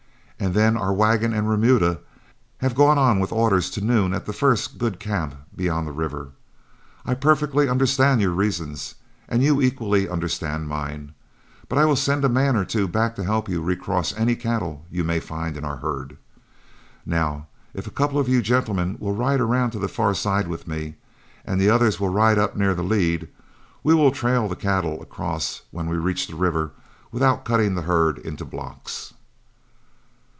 And then our wagon and remuda have gone on with orders to noon at the first good camp beyond the river. I perfectly understand your reasons, and you equally understand mine; but I will send a man or two back to help you recross any cattle you may find in our herd. Now, if a couple of you gentlemen will ride around on the far side with me, and the others will ride up near the lead, we will trail the cattle across when we reach the river without cutting the herd into blocks."